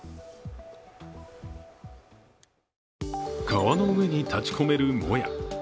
川の上に立ち込めるもや。